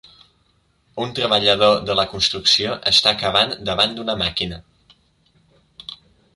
Un treballador de la construcció està cavant davant d'una màquina